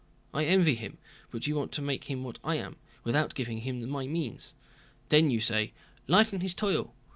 I envy him, but you want to make him what I am, without giving him my means. Then you say, 'lighten his toil.